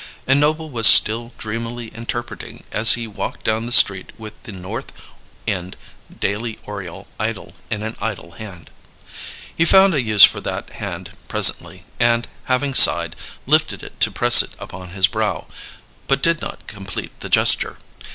And Noble was still dreamily interpreting as he walked down the street with The North End Daily Oriole idle in an idle hand. He found a use for that hand presently, and, having sighed, lifted it to press it upon his brow, but did not complete the gesture.